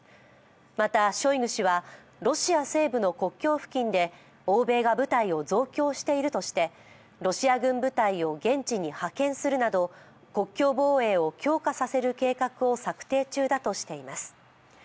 またショイグ氏はロシア西部の国境付近で、欧米が部隊を増強しているとしてロシア軍部隊を現地に派遣するなど国境防衛を強化させる計画を策定中だとしています。